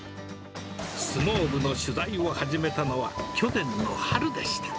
相撲部の取材を始めたのは、去年の春でした。